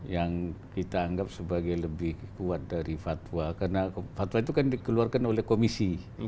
yang kita anggap sebagai lebih kuat dari fatwa karena fatwa itu kan dikeluarkan oleh komisi